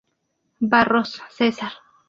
Barros, Cesar.